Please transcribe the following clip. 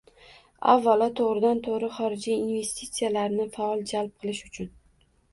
avvalo to‘g‘ridan-to‘g‘ri xorijiy investitsiyalarni faol jalb qilish uchun